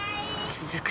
続く